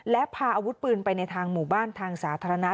และพาอาวุธปืนไปในทางหมู่บ้านทางสาธารณะ